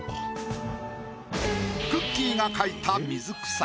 くっきー！が描いた水草